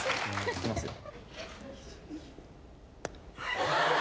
いきますよ。